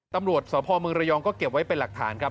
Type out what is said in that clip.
ตำรวจสพเมืองระยองก็เก็บไว้เป็นหลักฐานครับ